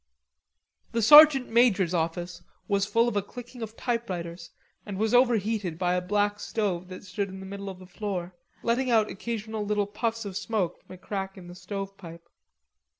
The sergeant major's office was full of a clicking of typewriters, and was overheated by a black stove that stood in the middle of the floor, letting out occasional little puffs of smoke from a crack in the stove pipe.